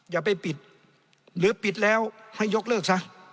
อย่าไปปิดหรือปิดแล้วให้ยกเลิกซะ